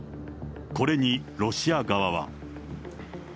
これにロシア側は。